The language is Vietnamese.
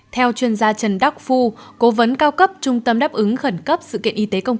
theo chuyên gia trần đắc phu cố vấn cao cấp trung tâm đáp ứng khẩn cấp sự kiện y tế công